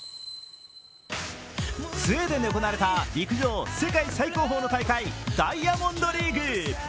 スウェーデンで行われた陸上世界最高峰の大会、ダイヤモンドリーグ。